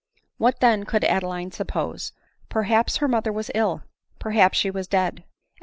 What then, could Adeline suppose ? Perhaps her mother was ill ; perhaps she was dead ; and.